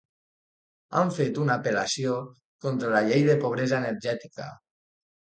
Han fet una apel·lació contra la llei de pobresa energètica